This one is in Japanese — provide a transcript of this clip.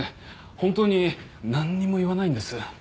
本当になんにも言わないんです。